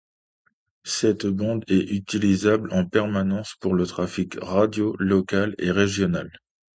Cette bande est utilisable en permanence pour le trafic radio local et régional.